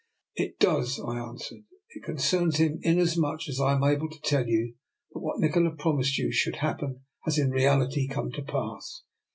''" It does," I answered. " It concerns him inasmuch as I am able to tell you that what Nikola promised you should happen has in reality come to pass.